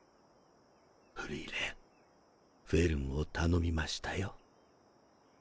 フリーレンフェルンを頼みましたよ。